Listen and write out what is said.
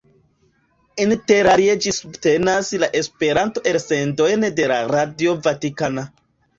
Inter alie ĝi subtenas la Esperanto-elsendojn de la Radio Vatikana.